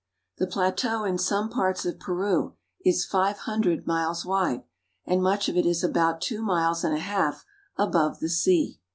The plateau in some parts of Peru is five hundred miles wide, and much of it is about two miles and a half above the sea.